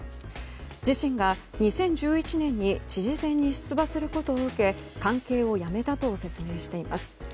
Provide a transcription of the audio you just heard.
自身が２０１１年に知事選に出馬することを受け関係をやめたと説明しています。